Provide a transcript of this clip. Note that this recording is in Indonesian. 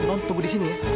emang tunggu di sini ya